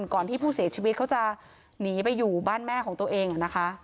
ก่อนที่ผู้เสียชีวิตเขาจะหนีไปอยู่บ้านแม่ของตัวเองนะคะ